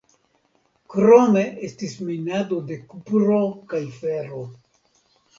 Krome estis minado de kupro kaj fero.